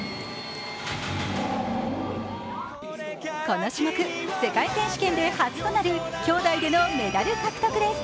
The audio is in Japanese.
この種目、世界選手権で初となるきょうだいでのメダル獲得です。